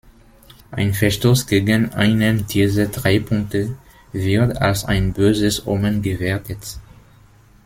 Ein Verstoß gegen einen dieser drei Punkte wird als ein böses Omen gewertet.